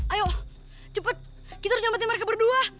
ayo cepet kita harus nyempetin mereka berdua